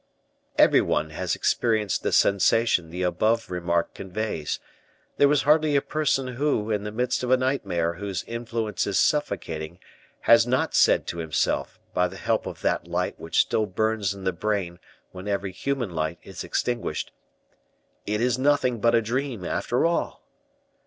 Every one has experienced the sensation the above remark conveys; there is hardly a person who, in the midst of a nightmare whose influence is suffocating, has not said to himself, by the help of that light which still burns in the brain when every human light is extinguished, "It is nothing but a dream, after all."